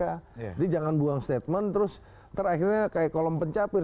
jadi jangan buang statement terus nanti akhirnya kayak kolom pencapir